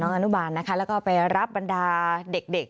อนุบาลนะคะแล้วก็ไปรับบรรดาเด็ก